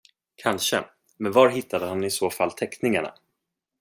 Kanske, men var hittade han i så fall teckningarna?